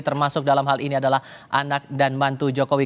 termasuk dalam hal ini adalah anak dan mantu jokowi